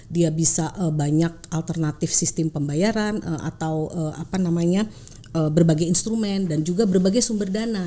dia bisa banyak alternatif sistem pembayaran atau berbagai instrumen dan juga berbagai sumber dana